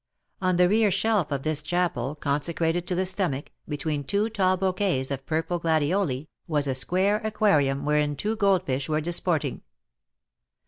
On the rear shelf of this chapel, consecrated to the stomach, between two tall bouquets of purple gladioli, was a square aquarium, wherein two gold fish were disporting.